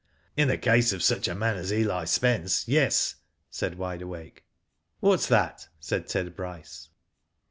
" In the case of such a man as Eli Spence, yes," said Wide Awake. ''What's that?" said Ted Bryce.